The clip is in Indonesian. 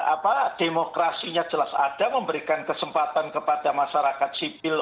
apa demokrasinya jelas ada memberikan kesempatan kepada masyarakat sipil